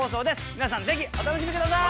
皆さんぜひお楽しみください！